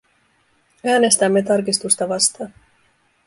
Äänestämme tarkistusta vastaan.